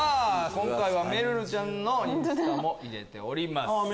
今回はめるるちゃんのインスタも入れてます。